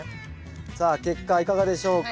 さあ結果いかがでしょうか。